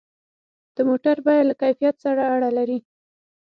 د موټر بیه له کیفیت سره اړه لري.